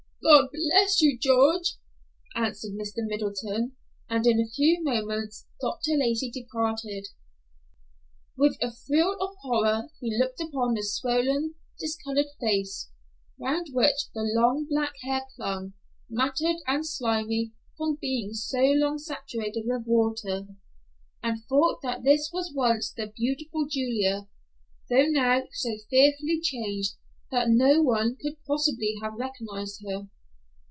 "God bless you, George!" answered Mr. Middleton, and in a few moments Dr. Lacey departed. With a thrill of horror he looked upon the swollen, discolored face, round which the long black hair clung, matted and slimy from being so long saturated with water, and thought that this was once the beautiful Julia, though now so fearfully changed that no one could possibly have recognized her.